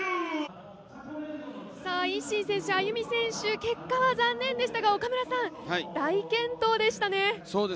ＩＳＳＩＮ選手、ＡＹＵＭＩ選手結果は残念でしたが岡村さん、大健闘でしたね。